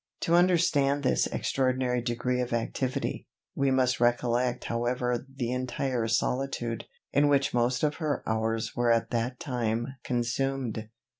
To understand this extraordinary degree of activity, we must recollect however the entire solitude, in which most of her hours were at that time consumed.